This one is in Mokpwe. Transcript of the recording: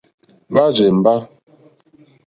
Hwá rzèmbá.